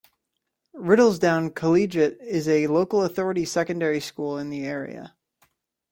Riddlesdown Collegiate is a local authority secondary school in the area.